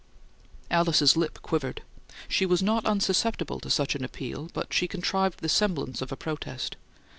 Alice's lip quivered; she was not unsusceptible to such an appeal, but she contrived the semblance of a protest.